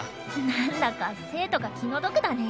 なんだか生徒が気の毒だね。